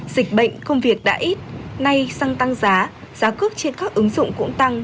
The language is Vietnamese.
dịch bệnh công việc đã ít nay xăng tăng giá giá cước trên các ứng dụng cũng tăng